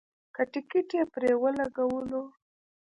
که ټکټ یې پرې ولګولو.